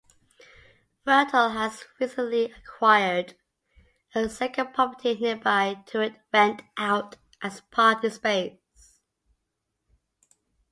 Fertel had recently acquired a second property nearby to rent out as party space.